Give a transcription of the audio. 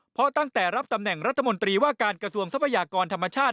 เพราะตั้งแต่รับตำแหน่งรัฐมนตรีว่าการกระทรวงทรัพยากรธรรมชาติ